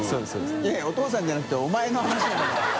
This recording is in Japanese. い笋いお父さんじゃなくてお前の話なんだ。